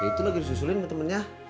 itu lagi disusulin sama temennya